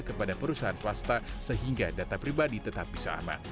kepada perusahaan swasta sehingga data pribadi tetap bisa aman